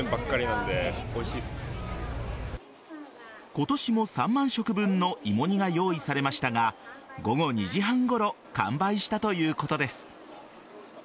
今年も３万食分の芋煮が用意されましたが午後２時半ごろ完売したということです。